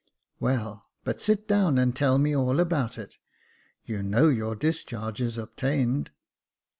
"Well, but sit down and tell me all about it. You know your discharge is obtained."